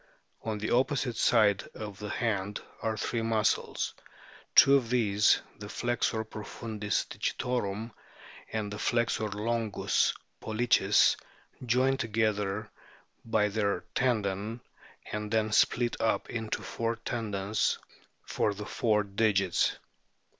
On the opposite side of the hand are three muscles ; two of these, the flexor profundis digitorum and the flexor longus pollicis, join together by their tendon, and then split up into four tendons for the four digits.